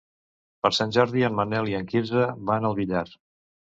Per Sant Jordi en Manel i en Quirze van al Villar.